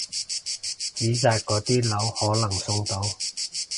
紙紮嗰啲樓可能送到！